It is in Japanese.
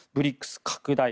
ＢＲＩＣＳ拡大。